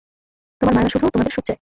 তোমার মায়েরা শুধু তোমাদের সুখ চায়।